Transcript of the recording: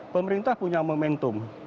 pemerintah punya momentum